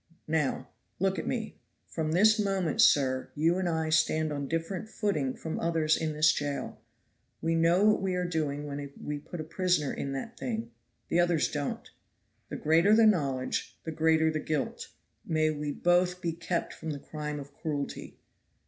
Now, look at me; from this moment, sir, you and I stand on a different footing from others in this jail. We know what we are doing when we put a prisoner in that thing; the others don't. The greater the knowledge, the greater the guilt. May we both be kept from the crime of cruelty.